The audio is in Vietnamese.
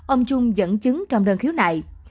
ông trung dẫn chứng trong đơn khiếu này